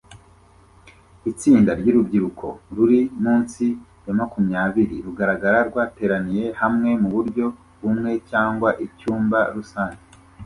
Itsinda ryurubyiruko ruri munsi ya makumyabiri rugaragara rwateraniye hamwe muburyo bumwe cyangwa icyumba rusange